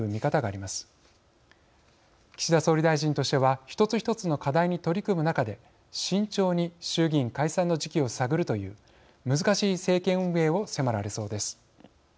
岸田総理大臣としては一つ一つの課題に取り組む中で慎重に衆議院解散の時期を探るという難しい政権運営を迫られそうです。